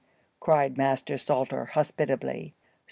cried Master Salter, hospitably.